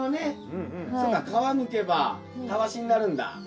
皮むけばたわしになるんだ。